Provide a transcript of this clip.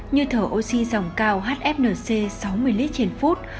như thở oxy dòng cao hfnc sáu mươi lít trên phút